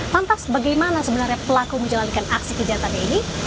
lantas bagaimana sebenarnya pelaku menjalankan aksi kejahatannya ini